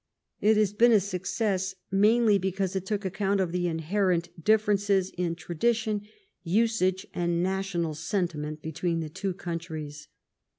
It has been a success mainly because it took account of the inherent differences in tradition, usage, and national sentiment between the two countries.